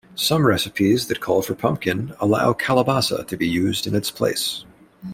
Some recipes that call for pumpkin allow calabaza to be used in its place.